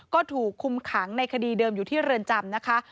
ก็ถูกคุมขังในคดีเดิมอยู่ที่เรือนจำนะคะ